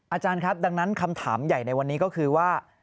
อาจารย์ครับดังนั้นคำถามใหญ่ในวันนี้ก็คือว่า